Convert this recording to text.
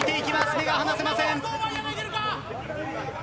目が離せません。